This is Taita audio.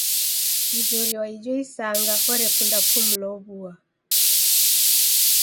Mzuri wa ijo isanga orekunda kumlow'ua.